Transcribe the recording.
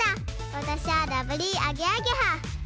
わたしはラブリーアゲアゲハ。